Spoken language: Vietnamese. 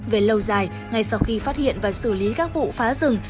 về lâu dài ngay sau khi phát hiện và xử lý các vụ phá rừng